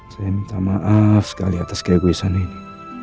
saya minta maaf sekali atas keegoisan ini